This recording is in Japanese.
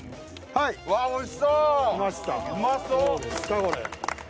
はい。